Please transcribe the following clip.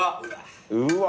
うわ。